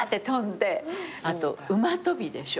あと馬跳びでしょ。